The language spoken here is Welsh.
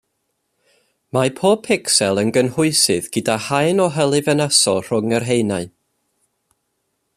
Mae pob picsel yn gynhwysydd gyda haen o hylif ynysol rhwng yr haenau.